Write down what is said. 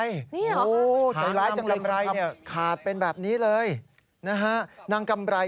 นี่เหรอครับหางนำเล็งทำขาดเป็นแบบนี้เลยนะฮะนางกำไร